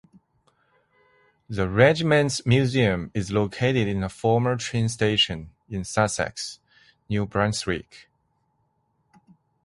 The regiment's museum is located in a former train station in Sussex, New Brunswick.